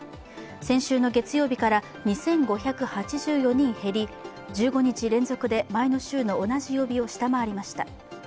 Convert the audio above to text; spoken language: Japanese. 先週の月曜日から２５８４人減り１５日連続で前の週の同じ曜日を下回りました。